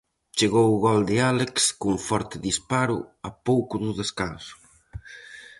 Chegou o gol de Álex cun forte disparo a pouco do descanso.